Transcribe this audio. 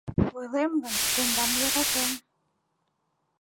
Ойлем гын, тендам йӧратен?